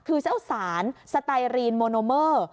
คือเจ้าสารสไตรีรีนโมโนเมอร์